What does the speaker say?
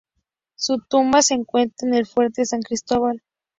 Su tumba se encuentra en el Fuerte San Cristóbal.